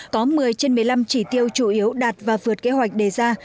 có một mươi trên một mươi năm chỉ tiêu chủ yếu đạt và vượt kế hoạch đề ra